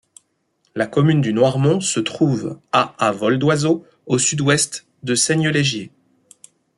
La commune du Noirmont se trouve à à vol d’oiseau au sud-ouest de Saignelégier.